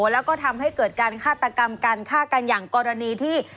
แล้วก็ทำให้เกิดการฆาตกรรมการฆ่ากันอย่างกรณีที่